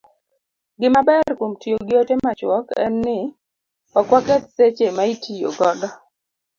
Gimaber kuom tiyo gi ote machuok en ni, ok waketh seche ma itiyo godo